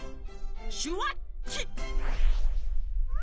シュワッチ！